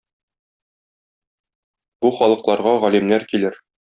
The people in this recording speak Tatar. Бу халыкларга галимнәр килер.